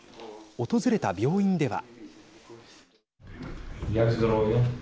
訪れた病院では。